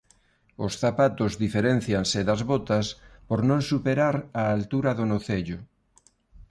Os zapatos diferéncianse das botas por non superar a altura do nocello.